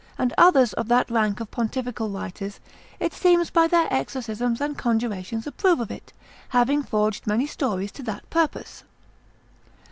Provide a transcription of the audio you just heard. and others of that rank of pontifical writers, it seems, by their exorcisms and conjurations approve of it, having forged many stories to that purpose.